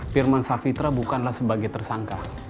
pirman savitra bukanlah sebagai tersangka